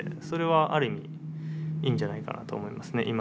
それはある意味いいんじゃないかなと思いますね。